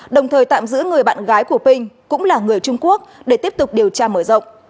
đồng thời tạm giữ người bạn gái của pinh cũng là người trung quốc để tiếp tục điều tra mở rộng